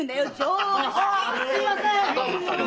すみません！